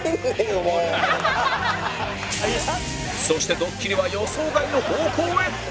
そしてドッキリは予想外の方向へ